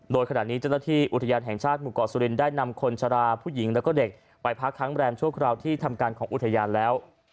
โดยขณะนี้เจ้าหน้าที่อุทยานแห่งชาติหมู่เกาะสุรินได้นำคนชะลาผู้หญิงแล้วก็เด็กไปพักค้างแรมชั่วคราวที่ทำการของอุทยานแล้ว